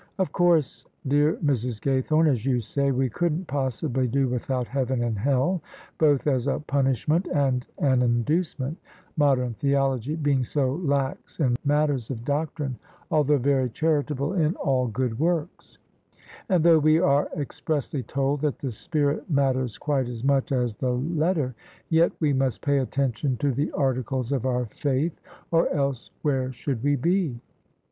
" Of course, dear Mrs. Gaythome, as you say, we couldn't possibly do without Heaven and Hell, both as a punishment and an inducement, modem theology being so lax in matters of doctrine, although very charitable in all good works; and though we are expressly told that the spirit matters quite as much as the letter, yd we must pay attention to the articles of our faith, or else where should we be?